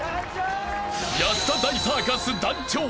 ［安田大サーカス団長。